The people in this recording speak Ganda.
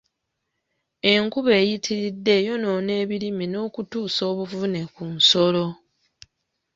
Enkuba eyitiridde eyonoona ebirime n'okutuusa obuvune ku nsolo